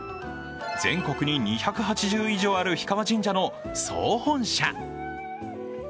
全国に２８０以上ある氷川神社の総本社。